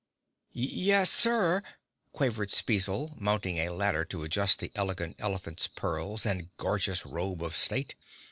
"Yes, Sir!" quavered Spezzle, mounting a ladder to adjust the Elegant Elephant's pearls and gorgeous robe of state.